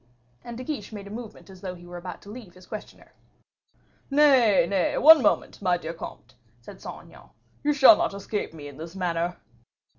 And De Guiche made a movement as though he were about to leave his questioner. "Nay, nay, one moment, my dear comte," said Saint Aignan; "you shall not escape me in this manner."